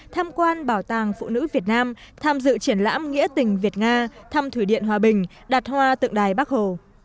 tham quan bảo tàng phụ nữ việt nam tham dự triển lãm nghĩa tình việt nga thăm thủy điện hòa bình đặt hoa tượng đài bắc hồ